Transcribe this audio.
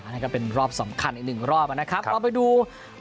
อันนี้ก็เป็นรอบสำคัญอีก๑รอบนะครับเราไปดู